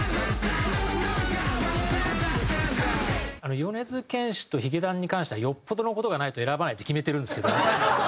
米津玄師とヒゲダンに関してはよっぽどの事がないと選ばないって決めてるんですけど。